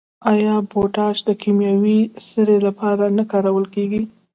آیا پوټاش د کیمیاوي سرې لپاره نه کارول کیږي؟